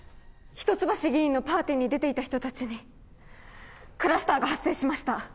一橋議員のパーティーに出ていた人たちにクラスターが発生しました！